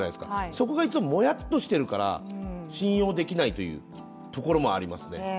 そこがいつももやっとしてるから信用できないというところもありますね。